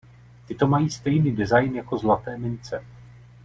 Tyto mají stejný design jako zlaté mince.